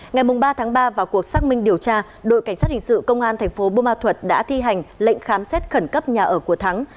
ngày ba tháng ba vào cuộc xác minh điều tra đội cảnh sát hình sự công an thành phố bô ma thuật đã thi hành lệnh khám xét khẩn cấp nhà ở của thắng